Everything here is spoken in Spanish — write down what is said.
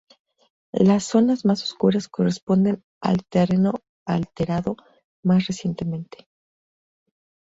Las zonas más oscuras corresponden al terreno alterado más recientemente.